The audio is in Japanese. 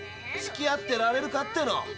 ったくつきあってられるかっての。